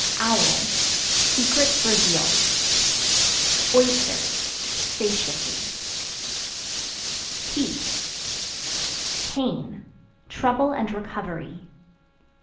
Owl Secrets revealed. Oysters Satiety. P Pain Trouble and recovery.